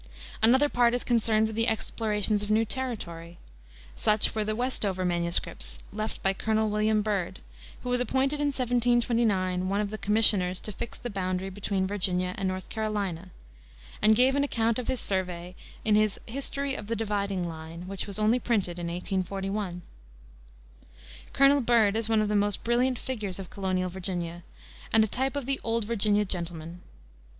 Another part is concerned with the explorations of new territory. Such were the "Westover Manuscripts," left by Colonel William Byrd, who was appointed in 1729 one of the commissioners to fix the boundary between Virginia and North Carolina, and gave an account of the survey in his History of the Dividing Line, which was only printed in 1841. Colonel Byrd is one of the most brilliant figures of colonial Virginia, and a type of the Old Virginia gentleman.